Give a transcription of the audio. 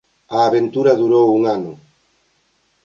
A aventura durou un ano.